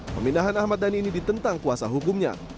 pemindahan ahmad dhani ini ditentang kuasa hukumnya